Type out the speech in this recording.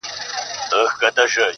د تصویر پښتو ته ولوېدم په خیال کي٫